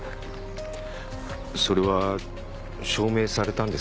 それは証明されたんですか？